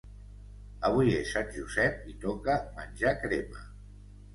Avui és sant Josep i toca menjar crema